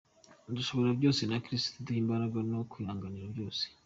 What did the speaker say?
Dushobozwa byose na christo uduha imbaraga no kwihanganira byose.